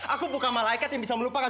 aku buka malaikat yang bisa melupakan